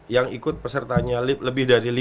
yang ikut pesertanya lip lebih dari